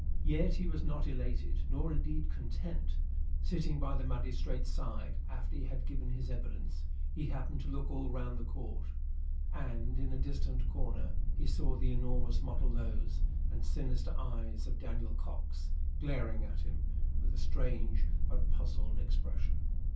Yet he was not elated, nor indeed content. Sitting by the magistrate's side, after he had given his evidence, he happened to look all round the Court, and in a distant corner he saw the enormous mottled nose and sinister eyes of Daniel Cox glaring at him with a strange but puzzled expression.